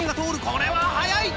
これは早い。